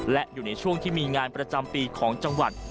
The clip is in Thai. และอยู่ในช่วงที่มีงานประจำปีของจังหวัด